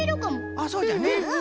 あっそうじゃね。